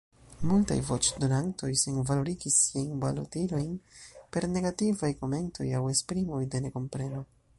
Multaj voĉdonantoj senvalorigis siajn balotilojn per negativaj komentoj aŭ esprimoj de nekompreno.